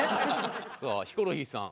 さあヒコロヒーさん。